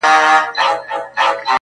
چي خبر د کلي خلګ په دې کار سوه،